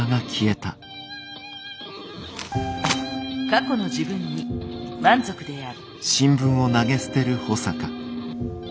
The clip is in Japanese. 過去の自分に満足である。